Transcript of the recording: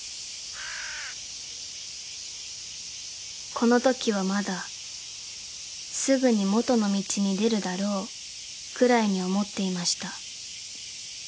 ［このときはまだすぐに元の道に出るだろうくらいに思っていました］